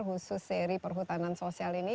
khusus seri perhutanan sosial ini